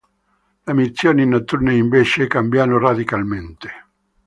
Le missioni notturne invece cambiano radicalmente.